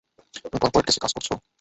তুমি কর্পোরেট কেসে কাজ করছো?